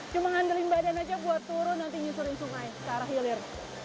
cuma ngandelin badan aja buat turun nanti nyusurin sungai ke arah hilir